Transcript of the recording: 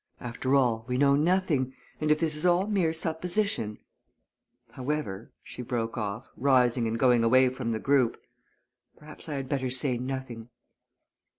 After all, we know nothing, and if this is all mere supposition however," she broke off, rising and going away from the group, "perhaps I had better say nothing."